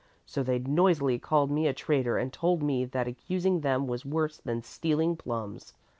So they noisily called me a traitor and told me that accusing them was worse than stealing plums.